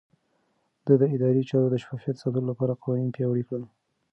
ده د ادارې چارو د شفافيت ساتلو لپاره قوانين پياوړي کړل.